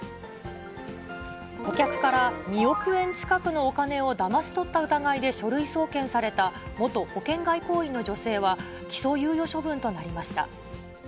顧客から２億円近くのお金をだまし取った疑いで書類送検された元保険外交員の女性は、起訴猶予処分となりました。